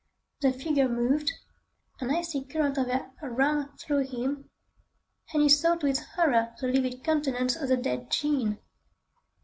The figure moved, an icy current of air ran through him, and he saw to his horror the livid countenance of the dead Jean.